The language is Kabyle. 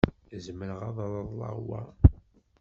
Zemreɣ ad reḍleɣ wa?